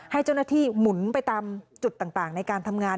ให้เจ้าหน้าที่หมุนไปตามจุดต่างในการทำงาน